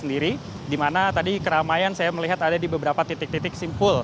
di mana ada beberapa titik titik simpul